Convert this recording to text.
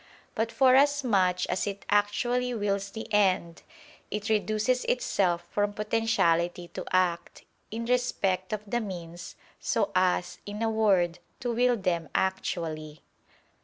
But forasmuch as it actually wills the end, it reduces itself from potentiality to act, in respect of the means, so as, in a word, to will them actually.